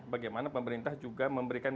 bagaimana pemerintah juga memberikan